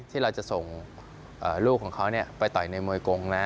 ที่เราจะส่งลูกของเขาไปต่อยในมวยกงนะ